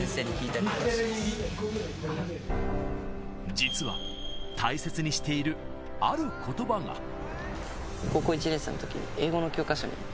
実は、大切にしている、ある言葉がある。